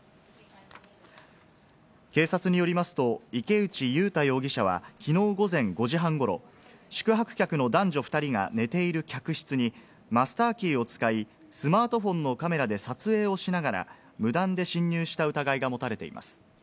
警察によりますと、池内悠太容疑者はきのう午前５時半ごろ、宿泊客の男女２人が寝ている客室にマスターキーを使い、スマートフォンのカメラで撮影をしながら、無断で侵入した疑いが持たれています。